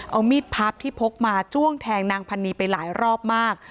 เอามีดพับที่พกมาจ้วงแทงนางพันนีไปหลายรอบมาก